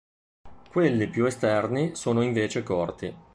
Quelli più esterni sono invece corti.